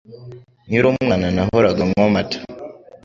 Nkiri umwana, nahoraga nywa amata.